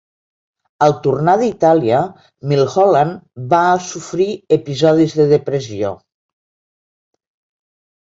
Al tornar d'Itàlia, Milholland va sofrir episodis de depressió.